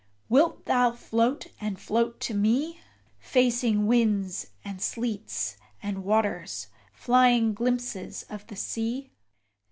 wilt thou float and float to me, Facing winds and sleets and waters, flying glimpses of the sea?